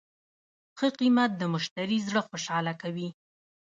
ښه قیمت د مشتری زړه خوشحاله کوي.